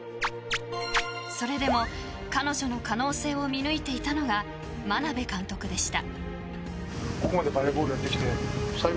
［それでも彼女の可能性を見抜いていたのが眞鍋監督でした］